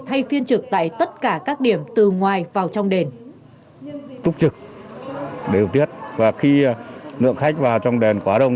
thay phiên trực tại tất cả các điểm từ ngoài vào trong đền